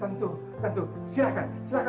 andi kalau ini apa